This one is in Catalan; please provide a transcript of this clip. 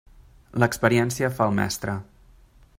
L'experiència fa el mestre.